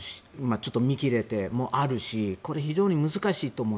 ちょっと見切れてということもあるし非常に難しいと思う。